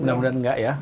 mudah mudahan nggak ya